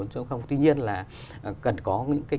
tuy nhiên là cần có những cái